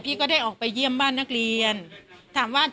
กินโทษส่องแล้วอย่างนี้ก็ได้